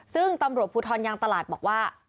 ซึ่งตำรวจภูทรยางตลาดบอกว่า